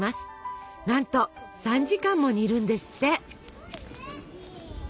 なんと３時間も煮るんですって！